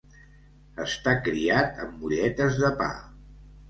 Estar criat amb molletes de pa.